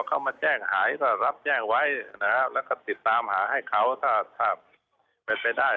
เขามาแจ้งหายก็รับแจ้งไว้นะฮะแล้วก็ติดตามหาให้เขาถ้าถ้าเป็นไปได้